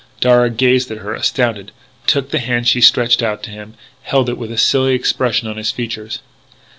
Darragh gazed at her, astounded; took the hand she stretched out to him; held it with a silly expression on his features.